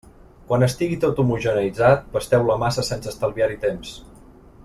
Quan estigui tot homogeneïtzat, pasteu la massa sense estalviar-hi temps.